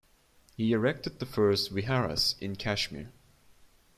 He erected the first viharas in Kashmir.